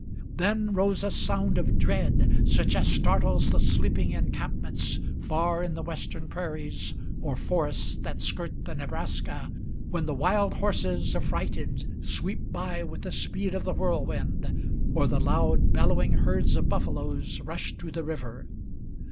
Then rose a sound of dread, such as startles the sleeping encampments Far in the western prairies or forests that skirt the Nebraska, When the wild horses affrighted sweep by with the speed of the whirlwind, Or the loud bellowing herds of buffaloes rush to the river.